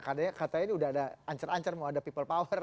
katanya katanya ini udah ada ancar ancar mau ada people power